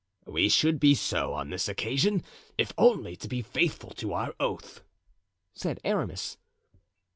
"We should be so on this occasion, if only to be faithful to our oath," said Aramis.